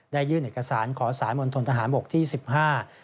ได้ยื่นเอกสารขอสารบทวนต่างประถงศาลที่๑๕